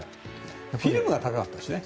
フィルムが高かったしね。